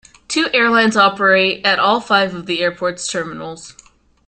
The two airlines operate at all five of the airport's terminals.